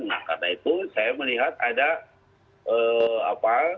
nah karena itu saya melihat ada apa